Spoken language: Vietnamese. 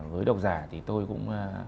với độc giả thì tôi cũng